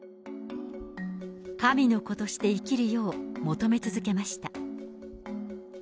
神の子として生きるよう求め続けました。